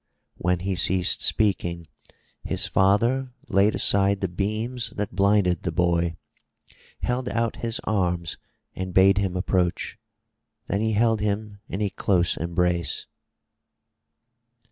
When he ceased speaking, his father laid aside the beams that blinded the boy, held out his arms and bade him approach. Then he held him in a close embrace.